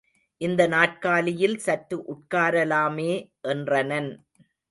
இந்த நாற்காலியில் சற்று உட்கார லாமே என்றனன்.